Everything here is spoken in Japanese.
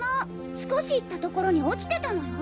少し行った所に落ちてたのよ。